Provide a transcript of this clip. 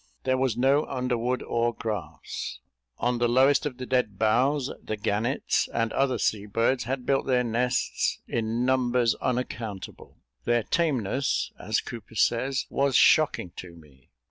There was no underwood or grass. On the lowest of the dead boughs, the gannets, and other sea birds, had built their nests in numbers unaccountable. Their tameness, as Cooper says, "was shocking to me."